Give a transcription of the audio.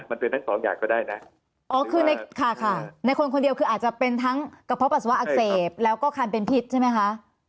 มันเป็นทั้งสองอย่างก็ได้นะอ๋อคือในค่ะค่ะในคนคนเดียวคืออาจจะเป็นทั้งกระเพาะปัสสาวะอักเสบแล้วก็คันเป็นพิษใช่ไหมคะ